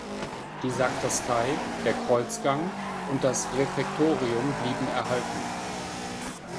Die Sakristei, der Kreuzgang und das Refektorium blieben erhalten.